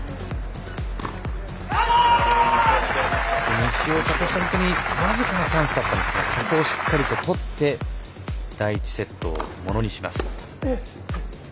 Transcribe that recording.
西岡としても本当に僅かなチャンスだったんですがそこを、しっかりととって第１セットをものにします。